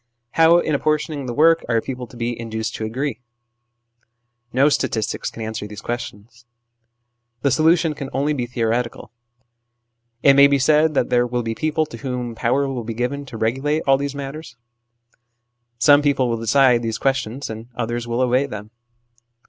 How, in apportioning the work, are people to be induced to agree ? No statistics can answer these questions. The solution can only be theoretical : it may be said that there will be people to whom power will be given to regulate all these matters. Some people will decide these questions, and others will obey them.